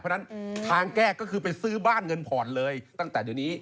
เพราะฉะนั้นทางแก้ก็คือไปซื้อบ้านเงินผ่อนเลยตั้งแต่เดี๋ยวนี้